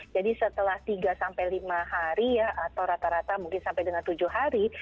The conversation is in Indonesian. jadi setelah tiga lima hari ya atau rata rata mungkin sampai dengan tujuh hari